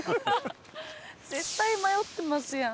絶対迷ってますやん。